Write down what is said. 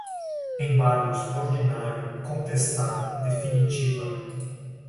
embargos, ordinário, contestar, definitiva